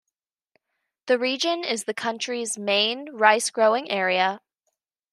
The region is the country's main rice-growing area.